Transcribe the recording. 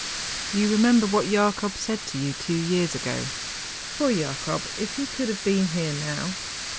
' You remember what Jacob said to you two years ago ? Poor Jacob, if he could have been here now!